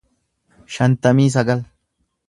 shantamii sagal